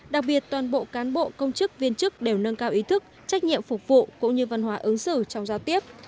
đặc biệt toàn bộ cán bộ công chức viên chức đều nâng cao ý thức trách nhiệm phục vụ cũng như văn hóa ứng xử trong giao tiếp